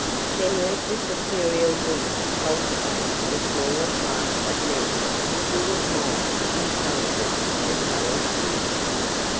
"Then let the superior women cultivate the smaller class of men who do admire intelligence as well as beauty.